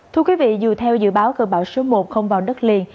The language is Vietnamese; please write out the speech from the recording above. thưa quý vị dù theo dự báo cơn bão số một không vào đất liền